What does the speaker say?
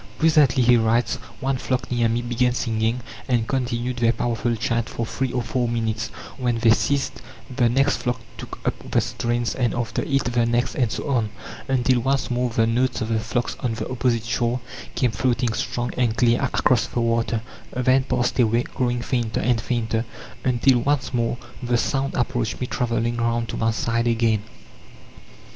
"Presently," he writes, "one flock near me began singing, and continued their powerful chant for three or four minutes; when they ceased the next flock took up the strains, and after it the next, and so on, until once more the notes of the flocks on the opposite shore came floating strong and clear across the water then passed away, growing fainter and fainter, until once more the sound approached me travelling round to my side again."